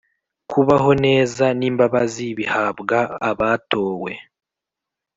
kubaho neza n’imbabazi bihabwa abatowe,